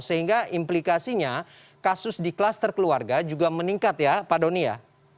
sehingga implikasinya kasus di kluster keluarga juga meningkat ya pak doni ya